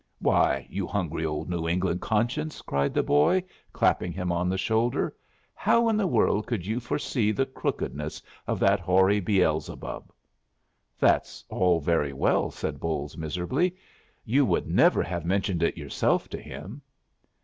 "Why, you hungry old New England conscience!" cried the boy, clapping him on the shoulder. "How in the world could you foresee the crookedness of that hoary Beelzebub?" "That's all very well," said Bolles, miserably. "You would never have mentioned it yourself to him."